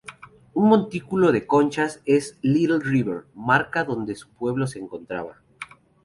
Un montículo de conchas en Little River marca donde su pueblo se encontraba.